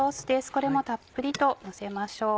これもたっぷりとのせましょう。